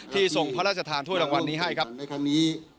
ที่ทรงพระราชธานฐุยรางวันนี้ให้